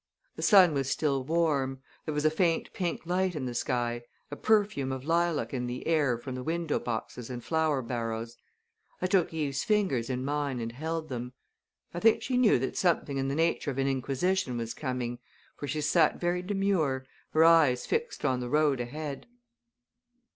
The sun was still warm; there was a faint pink light in the sky a perfume of lilac in the air from the window boxes and flower barrows. I took Eve's fingers in mine and held them. I think she knew that something in the nature of an inquisition was coming, for she sat very demure, her eyes fixed on the road ahead.